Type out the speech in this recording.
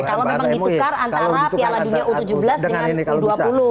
kalau memang ditukar antara piala dunia u tujuh belas dengan u dua puluh